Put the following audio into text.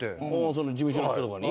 事務所の人とかに？